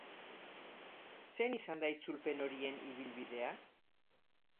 Zein izan da itzulpen horien ibilbidea?